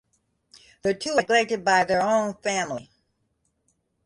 They two are neglected by their own family.